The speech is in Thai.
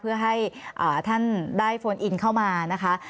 เพื่อให้ท่านได้โฟนอินเข้ามานะคะ